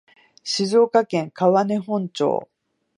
静岡県川根本町